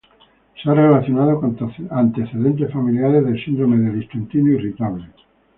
Se ha relacionado con antecedentes familiares de síndrome del intestino irritable.